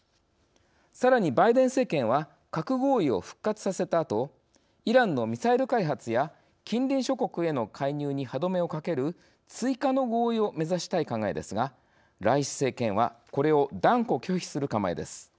さらに、バイデン政権は核合意を復活させたあとイランのミサイル開発や近隣諸国への介入に歯止めをかける追加の合意を目指したい考えですがライシ政権はこれを断固拒否する構えです。